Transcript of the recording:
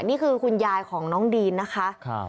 นี่คือคุณยายของน้องดีนนะคะ